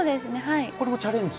これもチャレンジ？